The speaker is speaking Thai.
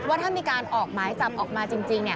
ว่าถ้ามีการออกหมายจับออกมาจริง